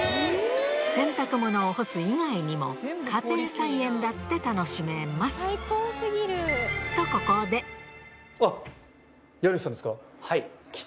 洗濯物を干す以外にも家庭菜園だって楽しめますはい。